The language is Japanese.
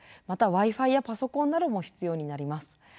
またＷｉ−Ｆｉやパソコンなども必要になります。